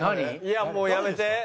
いやもうやめて。